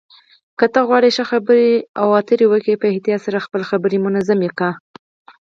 که تاسو غواړئ ښه خبرې اترې وکړئ، په احتیاط سره خپلې خبرې تنظیم کړئ.